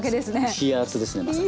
冷やアツですねまさに。